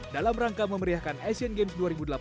dalam rangka memberiakan asian games dua ribu delapan belas